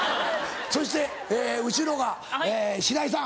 そして後ろが白井さん。